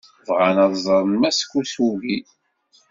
Bɣan ad ẓren Mass Kosugi.